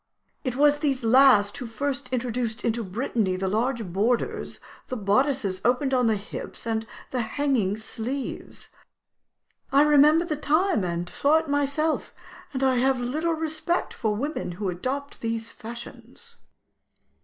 It was these last who first introduced into Brittany the large borders, the bodices opened on the hips, and the hanging sleeves. I remember the time, and saw it myself, and I have little respect for women who adopt these fashions.'"